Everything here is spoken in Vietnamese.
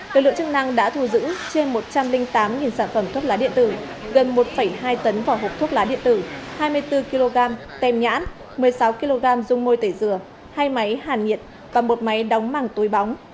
lực lượng chức năng đã thu giữ trên một trăm linh tám sản phẩm thuốc lá điện tử gần một hai tấn vỏ hộp thuốc lá điện tử hai mươi bốn kg tem nhãn một mươi sáu kg dung môi tẩy dừa hai máy hàn nhiệt và một máy đóng mẳng túi bóng